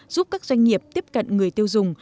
giúp các doanh nghiệp tiếp cận người tiêu dùng